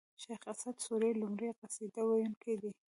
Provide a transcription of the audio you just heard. شېخ اسعد سوري لومړی قصيده و يونکی دﺉ.